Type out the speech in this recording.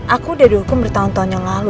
aku udah dihukum bertahun tahun yang lalu